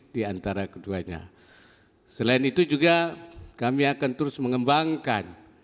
diantara keduanya selain itu juga kami akan terus mengembangkan